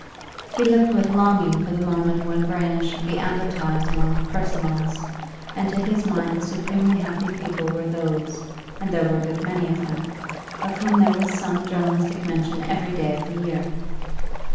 He looked with longing for the moment when Verena should be advertised among the "personals," and to his mind the supremely happy people were those (and there were a good many of them) of whom there was some journalistic mention every day in the year.